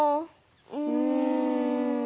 うん。